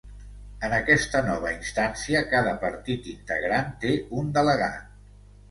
En aquesta nova instància cada partit integrant té un delegat.